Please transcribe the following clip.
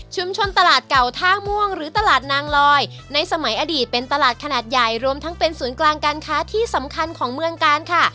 ตลาดเก่าท่าม่วงหรือตลาดนางลอยในสมัยอดีตเป็นตลาดขนาดใหญ่รวมทั้งเป็นศูนย์กลางการค้าที่สำคัญของเมืองกาลค่ะ